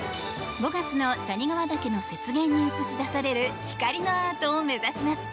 ５月の谷川岳の雪原に映し出される光のアートを目指します！